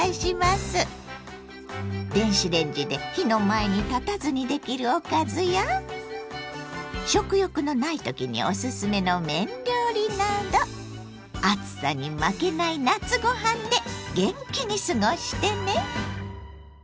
電子レンジで火の前に立たずにできるおかずや食欲のない時におすすめの麺料理など暑さに負けない夏ご飯で元気に過ごしてね！